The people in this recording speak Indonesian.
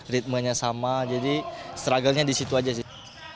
ritmenya sama jadi strugglenya di situ aja sih